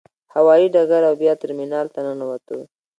هوايي ډګر او بیا ترمینال ته ننوتو.